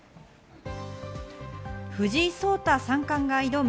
藤井聡太三冠が挑む